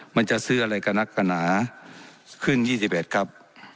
มันจะซื้ออะไรกันนักกรณาขึ้นยี่สิบเอ็ดครับ